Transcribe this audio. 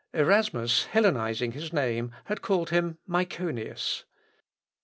Erasmus hellenising his name, had called him Myconius.